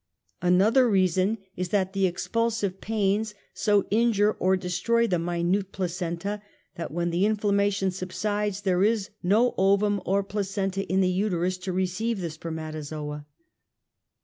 Another reason is, that the expulsive pains so injure or destroj^the minute placenta, that when the inflammation subsides there is no ovum or placenta in the uterus to receive the spermatozoa.